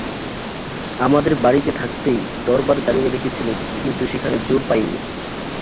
আমাদের বাড়িতে থাকতেই দরবার জানিয়ে রেখেছিলুম কিন্তু সেখানে জোর পাই নি।